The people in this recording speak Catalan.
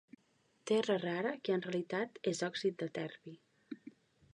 Terra rara, que en realitat és òxid de terbi.